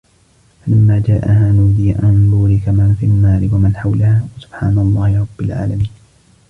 فلما جاءها نودي أن بورك من في النار ومن حولها وسبحان الله رب العالمين